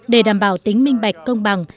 để đảm bảo tính minh bạch công bằng